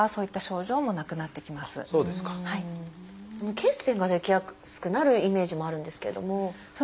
血栓が出来やすくなるイメージもあるんですけれども。